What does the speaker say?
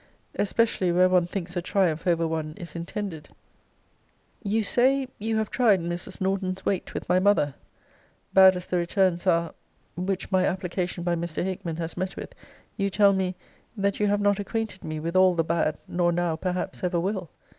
especially where one thinks a triumph over one is intended. You say, you have tried Mrs. Norton's weight with my mother bad as the returns are which my application by Mr. Hickman has met with, you tell me, 'that you have not acquainted me with all the bad, nor now, perhaps, ever will.'